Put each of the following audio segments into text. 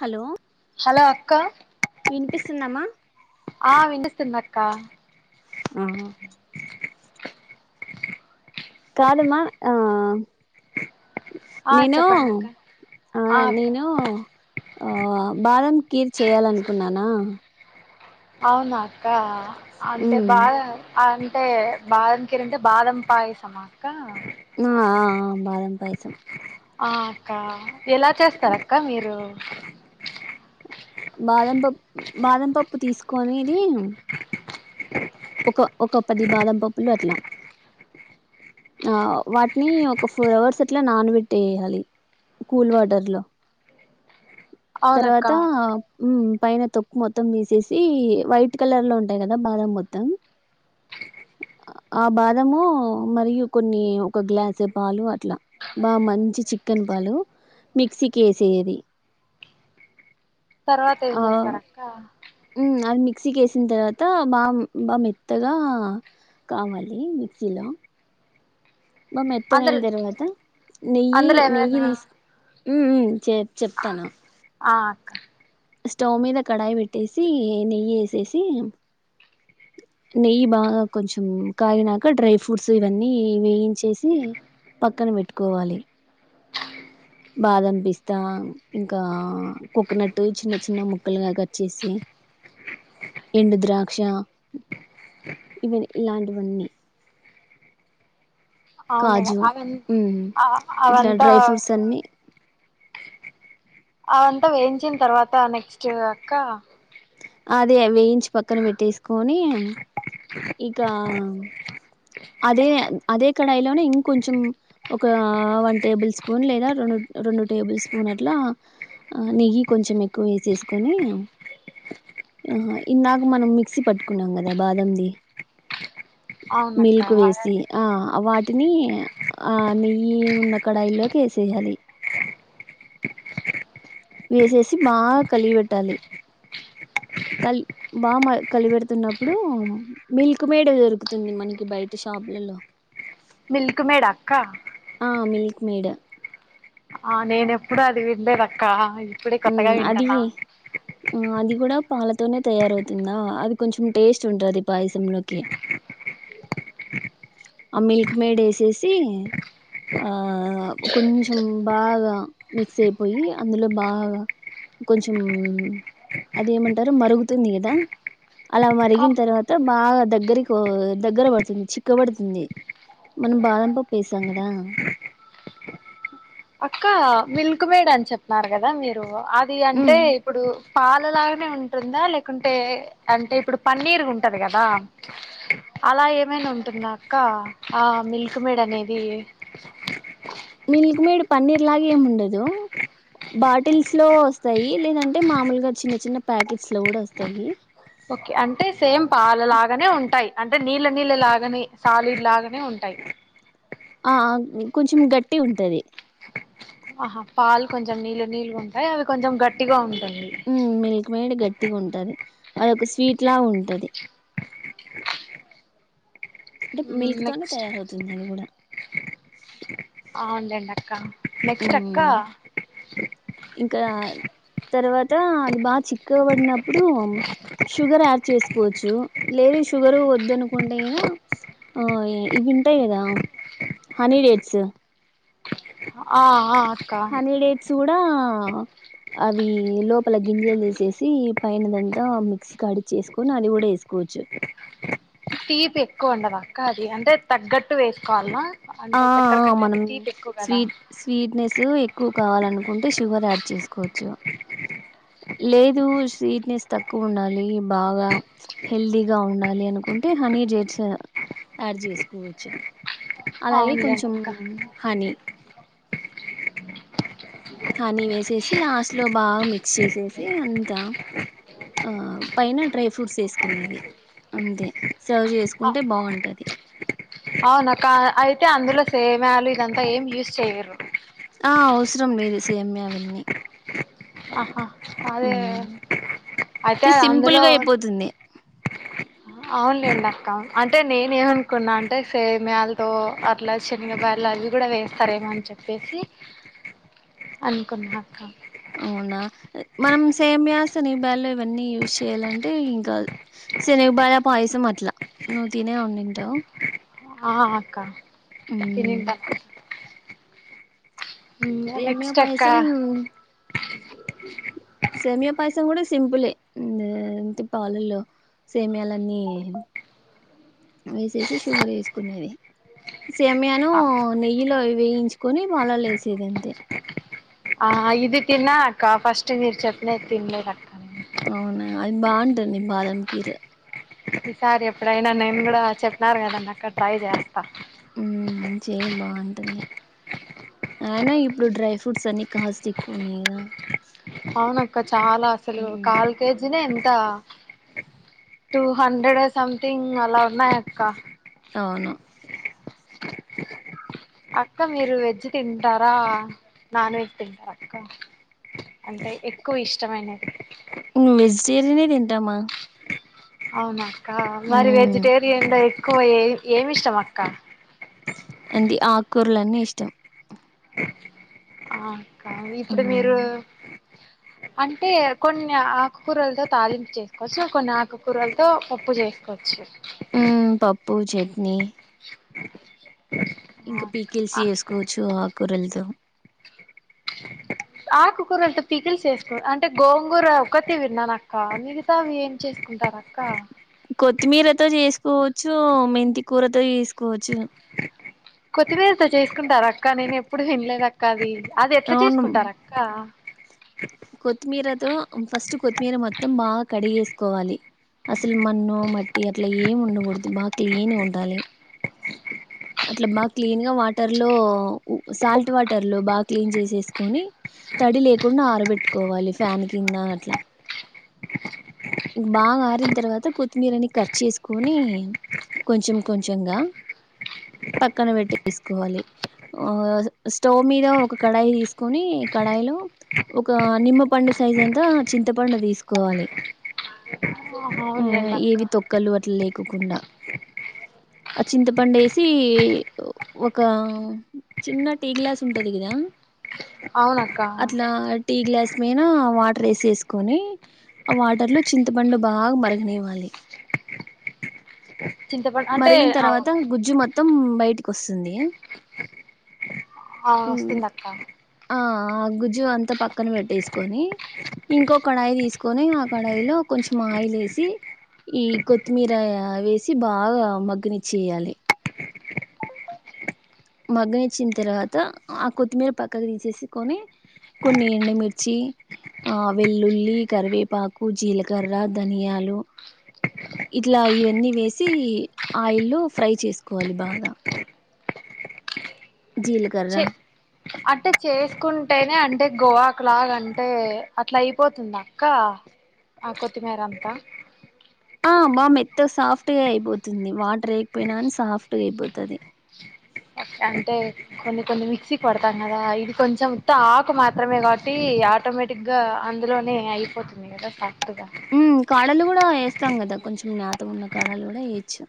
Hello hello అక్క వినిపిస్తుందమ్మా ఆ విపిస్తుందక్క ఆ కాదుమ్మా ఆ ఆ నేను చెప్పండి అక్క ఆ నేను ఆ బాదం క్లీర్ చేయాలన్కున్నానా అవునా అక్క అంటే ఉమ్ బా అంటే బాదంకిర్ బాదంపాయసం అక్క ఆ ఆ బాదం పాయసం ఆ అక్క ఎలా చేస్తారు అక్క మీరు బాదం పప్పు బాదం పప్పు తీసుకొనిది ఒక ఒక పది బాదం పప్పులట్లా ఆ వాటిని ఒక ఫోర్ అవర్స్ అట్లా నానబెట్టేయాలి కూల్ వాటర్లో అవునక్క తర్వాత మ్ పైన తొక్కు మొత్తం థీసేసి వైట్ కలర్లో ఉంటాయి కదా బాదం మొత్తం ఆ బాదము మరియు కొన్ని ఒక గ్లాస పాలు అట్ల బా మంచి చిక్కన్ పాలు మిక్సీకేసెది తర్వాత ఏం ఆ చేస్తారక్క హ్మ్ ఆమ్ మిక్సీకేసిన తర్వాత బా బా మెత్తగా కావాలి మిక్సీలో బాగ్ మెత్తగయిన అందులో తర్వాత నెయ్యి అందులో నెయ్యి ఏమైనా తీసు ఉమ్ ఉ చె చెప్తాను క్క స్టవ్ మీద కడాయి పెట్టేసి నెయ్ ఎసేసి నెయ్యి బాగ కొంచెం కాగినాక డ్రై ఫ్రూట్స్ ఇవన్నీ వేయించేసి పక్కన్ పెట్టుకోవాలి బాదం పిస్తా ఇంకా కోకొనట్ చిన్న చిన్న ముక్కలుగ కట్చెసి ఎండు ద్రాక్ష ఇవి ఇలాంటివన్నీ అవున్ మేడం కాజు ఆవిన్ మ్మ్ ఆ ఇట్లా అవంతా డ్రై ఫ్రూట్స్ అన్ని అవంతా వేయించిన తర్వాత నెక్స్ట్ అక్క అదే వేయించి పక్కన పెట్టేసుకోని ఇకా అదే అదే కడాయిలోనే ఇంకొంచెం ఒక వన్ టేబుల్ స్పూన్ లేద రొండు రొండు టేబుల్ స్పూన్ అట్ల నెయ్యి కొంచెం ఎక్కువ వేసేసుకొని హ్మ్ ఇందాక మనం మిక్సీ పట్టుకున్నాం కదా బాదంది అవునక్క మిల్క్ వేసి ఆ వాట్ టిని ఆ నెయ్యి ఉన్న కడాయిల్లోకి వేసేయాలి వేసేసి బాగ కలిగి పెట్టాలి కల్ బాగా మ కలిగిపెడుతున్నప్పుడు మిల్క్ మేడ్ దొరుకుతుంది మనకి బయట షా షాప్లలో మిల్క్ మేడాక్క మీడే ఆ నేనెప్పుడు అది వింలేదక్కా ఇప్పుడే కొత్తగ వింటన్నా హ్మ్ అది కూడ పాలతోనే తయారవుతుందా అది కొంచెం టేస్ట్ ఉంటది పాయసంలోకి ఆ మిల్క్ మేడ్ ఏసేసి ఆ కొంచెం బాగ మిక్స్ అయిపోయి అందులో బా గ కొంచెం అదేమంటరు మరుగుతుంది కద అల మరిగిన తర్వాత బాగా దగ్గరి కో దగ్గర పడుతుంది చిక్క పడతుంది మనం బాదంపప్పేసాం గద క్క మిల్క్ మేడ్ అని చెప్పారు కదా మీరు అది అంటే హ్మ్ ఇప్పుడు పాలలాగనే ఉంటుంద లేకుంటే అంటే ఇప్పుడు పన్నీర్ ఉంటది కదా అలా ఏమైన ఉంటుందా అక్కా ఆ మిల్క్ మేడ్ అనేది మిల్క్ మేడ్ పన్నీర్ లాగేమ్ ఉండదు బాటిల్స్ లో ఒస్తాయి లేదంటే మామూలుగా చిన్న చిన్న ప్యాకెట్స్ లో కూడ ఒస్తాయి గానే ఉంటాయి అంటే నీళ్ళ నీళ్ళ లాగానే సాలిడ్ లాగనే ఉంటాయి ఆ ఆ కొంచెం గట్టిగుంటది ఆహా పాలు కొంచెం నీళ్ళు నీళ్ళుగ ఉంటాయి అవి కొంచెం గట్టిగ ఉంటాయి హ్మ్ మిల్క్ మేడ్ గట్టిగుంటది అదొక స్వీట్ లా ఉంటది అంటే మిల్క్ తోనే నెక్స్ట్ తయారవుతుందది కూడా అవుంలెండక్క నెక్స్ట్ అక్క హ్మ్ ఇంకా తర్వాత అది బా చిక్కగ పడినప్పుడు షుగర్ యాడ్ చేసుకోచ్చు లేదు షుగర్ వద్దనుకుంటే గినా ఆ ఇవింటయి కదా హనీడేట్స్ ఆ ఆ అక్క హనీడేట్స్ కూడా అవి లోపల గింజలు తీసేసి పైనదంతా మిక్సీకాడిచ్చేసుకొని అది కూడా ఎసుకోవచ్చు తీపెక్కువుండదాక్క అది అంటే తగ్గట్టు వేసుకోవల్నా ఆ ఆ మనం స్వీట్ స్వీట్నెసు ఎక్కు కావాలనుకుంటే షుగర్ యాడ్ చేసుకోవచ్చు లేదు స్వీట్నెస్ తక్కువుండాలి బాగ హెల్తీగ ఉండాలి అనుకుంటే హని జెడ్స్ ఆడ్ చేసుకోవచ్చు అలాగే అవునులేండి కొంచెం అక్క హని హనీ వేసేసి లాస్ట్లో బాగా మిక్స్ ఎసేసి అంత ఆ పైన డ్రై ఫ్రూట్స్ ఏసుకునేది అంతే సర్వ్ చేసుకుంటే బాగుంటది అవునక్కా అయితే అందులో సేమియాలు ఇదంతా ఏం యూజ్ చేయరు ఆ అవసరం లేదు సేమియా విన్నీ ఆహా అదే అయితే అది సింపుల్ అందులో గా అయిపోతుంది అవునులేండక్క అంటే నేనేమనుకున్నా అంటే సేమియాలతో అట్లా శనిగబాయల్ అవ్వి కూడా వేస్తారేమో అని చెప్పేసి అనుకున్నా అక్క అవునా మనం సేమియాసిని బలే ఇవన్నీ యూజ్ చేయాలంటే ఇంకా సెనిగబాయ పాయసం అట్ల నువ్ తినే ఉండింటావ్ ఆ అక్క తినింటక్క ఉమ్గ సేమ్యా నెక్స్ట్ అక్క పాయసం సేమియా పాయసం కూడా సింపులే నెంతి పాలలో సేమియాలన్నీ వేసేసి షుగర్ ఎసుకునేది సేమియాను నెయ్యిలో వేయించుకొని పాలల్లో వేసేది అంతే ఆ ఇది తిన్నా అక్క ఫస్ట్ మీరు చెప్పినది తిన్లేదక్క నేను అవునా అది బాగుంటుంది బాదం కీర్ ఈసారి ఎప్పుడైనా నేను కూడా చెప్నారు కదండక్క ట్రై చేస్తా ఉమ్ చేయి బాగుంటుంది అయినా ఇప్పుడు డ్రై ఫ్రూట్స్ అన్ని కాస్ట్ ఎక్కువ ఉన్నాయి కదా అవునక్క చాలా అసలు ఉమ్, కాల్ కేజీనే తా టూ హండ్రెడ్ సమ్థింగ్ అలా ఉన్నాయక్క అవును అక్క మీరు వెజ్ తింటారా నాన్ వెజ్ తింటారక్క అంటే ఎక్కువిష్టమైన [unintelligible] వెజిటేరియనే తింటామా అవునక్క మరి మ్మ్ వెజిటేరియన్ లో ఎక్కువ ఏ ఏమిష్టమక్క అంటి ఆక్కూరలన్ని ఇష్టం ఆ అక్క ఇప్పుడు మీరు మ్మ్ అంటే కొన్ని ఆకుకూరలతో తాలింపుజెసుకోవచ్చు కొన్ని ఆకుకూరలతో పప్పుజెసుకోవచ్చు ఉమ్ పప్పు చట్నీ ఇంకా పీకిల్స్ చేసుకోవచ్చు ఆక్కురలతో ఆకుకూరలతో పికిల్స్ చేసుకో అంటే గోంగూర ఒకటి విన్నానక్క మిగతావి ఏం చేసుకుంటార క్క కొత్తిమీరతోజెసుకోవచ్చు మెంతి కూరతో చేసుకోవచ్చు కొత్తిమీరతో చేసుకుంటారాక్క నేను ఎప్పుడు తిన్లేదక్క అది అదెట్ల అవును చేసుకుంటారక్కా కొత్తిమీరతో ఫస్ట్ కొత్మీర మొత్తం బాగ కడిగేసుకోవాలి అసల్ మన్ను, మట్టి అట్ల ఏం ఉండకూడదు బాగా క్లీనుగుండాలి. అట్ల బాగ్ క్లీన్గ వాటర్లో సాల్ట్ ఉ వాటర్లో బాగ క్లీన్ చేసేస్కొని తడి లేకుండా ఆరబెట్టుకోవాలి ఫ్యాన్ కిందా అట్ల ఇంక్ బాగా ఆరిన్ తర్వాత కొత్తిమీరని కట్ చేస్కోనీ కొంచెం కొంచంగా పక్కన పెట్టెసుకోవాలి ఆ స్టవ్ మీద ఒక కడాయి తీసుకొని కడాయిలో ఒక నిమ్మ పండు సైజంతా చింతపండు తీసుకోవాలి ఉమ్ అవునులేండి అక్క ఏవి తొక్కలు అట్లా లేకోకుండా ఆ చింతపండేసి ఒక చిన్న టీ గ్లాసుంటది కదా అవునక్క అట్లా టీ గ్లాస్ మీన వాటర్ ఎసేసుకొని అ వాటర్లో చింతపండు బాగా మర్గనివ్వాలి. చింతపండు అంటే మర్గిన్ తర్వాత గుజ్జు మొత్తం బయటికొస్తుంది. ఆ హ్మ్. వస్తుందక్క. ఆ! ఆ గుజ్జు అంతా పక్కన పెట్టేస్కొని ఇంకో కడాయి తీస్కోని ఆ కడాయిలో కొంచెం ఆయిలేసి ఈ కొత్తిమీరా వేసి బాగా మగ్గనిచ్చేయాలి. మగ్గనిచ్చిన్ తర్వాత ఆ కొత్తిమీర పక్కక్ తీసేసుకొని కొన్ని ఎండమిర్చి ఆ వెల్లుల్లి, కరివేపాకు, జీలకర్ర, ధనియాలు ఇట్లా ఇవన్నీ వేసి ఆయిల్లో ఫ్రై చేస్కోవాలి బాగా జీల్కర్ర అట్టే చేస్కుంటేనే అంటే గోవాక్లాగా అంటే అట్లైపోతుందక్క. ఆ కొత్తిమేరంతా ఆ బా మెత్త సాఫ్ట్గ అయిపోతుంది వాటర్ ఏయ్క్పోయిన అన్ సాఫ్ట్గ అయిపోతది. అంటే కొన్ని కొన్ని మిక్సీ పడతాన్నగా ఇది కొంచం ఉత్త ఆకు మాత్రమే కాబట్టీ ఆటోమేటిక్గా అందులోనే అయిపోతుంది కదా సాఫ్ట్గా ఆ ఏస్తాం గదా కొంచం లేతగున్న కాడాలు గుడా ఏయచ్చు.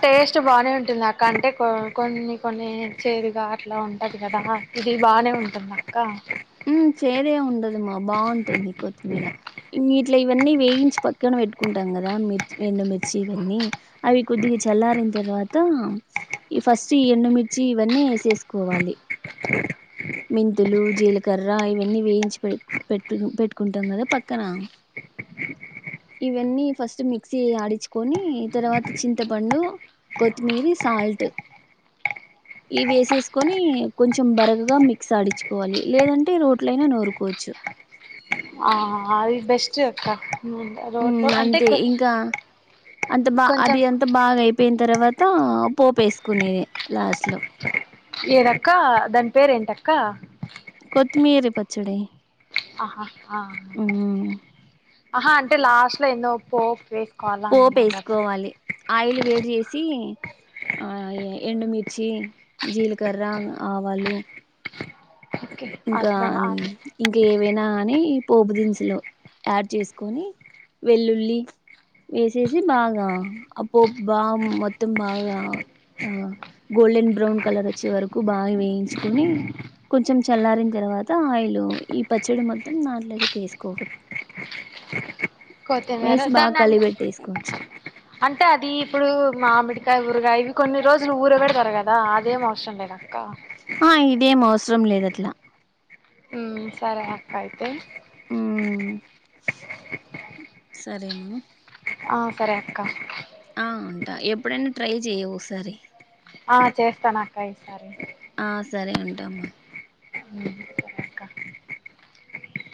టేస్ట్ బానే ఉంటుంద అక్క అంటే కో కొన్ని కొన్ని చేదుగా అట్లా ఉంటది గదా ఇది బానే ఉంటుందక్క మ్ చేదే ఉండదుమ బాగుంటుంది కొత్తిమీర ఇంగిట్లా ఇవన్నీ వేయించి పక్కన పెట్టుకుంటాం గదా మిర్చ్ ఎండుమిర్చి ఇవన్నీ అవి కొద్దిగ చల్లారిన్ తర్వాత ఇ ఫస్ట్ ఈ ఎండుమిర్చి ఇవన్ని ఏసేస్కోవాలి. మెంతులు, జీలకర్ర ఇవన్నీ వేయించి పె పెట్టును పెట్టుకుంటాం గదా పక్కన ఇవన్నీ ఫస్ట్ మిక్సీ ఆడిచ్చుకొని తర్వాత చింతపండు కొత్తిమీరీ సాల్ట్ ఈ వేసేస్కొని కొంచం బరగగా మి క్స్ ఆడిచ్కోవాలి లేదంటే రోట్లై నూరుకోవచ్చు. ఆ అది బెస్ట్ అక్క రోట్లో మ్మ్ కంటే అంతే కొ ఇంకా అంత బ అది అంత బాగైపోయిన తర్వాత పోపేస్కునేది లాస్ట్లో ఏదక్క దాన్ పేరేంటక్క? కొత్తిమీరీ పచ్చడి అహ ఆ మ్మ్ అహా అంటే లాస్ట్లో ఎన్నో పో వేస్కోవాలా అని అన్నావ్ కదా పోపేసుకోవాలి ఆయిల్ వేడ్ జేసీ ఆ ఎండుమిర్చి, జీల్కర్ర, ఆవాలు ఓకే అట్లా ఇంకాన్ ఇంకేవైనా అని పోప్ దిన్సులో యాడ్ చేస్కొని వెల్లుల్లి వేసేసి బాగా అప్పోప్ బా మొత్తం బాగా ఆ గోల్డెన్ బ్రౌన్ కలర్ అచ్చే వరకు బాగా వేయించుకొని కొంచం చల్లారిన తర్వాత ఆయిలు ఈ పచ్చడి మొత్తం నాట్లోతే వేసుకోవో కొతిమీరా బాగా దాన్ని అ కలిపెట్టేసుకోవచ్చు అంటే అది ఇప్పుడు మామిడి కాయ్ ఊర్గా ఇవి కొన్ని రోజులు ఊర పెడతారు కదా అదేం అవసరం లేదక్క ఆ ఇదేం అవసరం లేదట్లా మ్ సరే అక్క అయితే సరే మను ఆ సరే అక్క. ఆ ఉంటా ఎప్పుడైనా ట్రై చెయ్ ఓసారి ఆ చేస్తానక్క ఈసారి ఆ సరే ఉంటమ్మా ఉమ్ సరే అక్క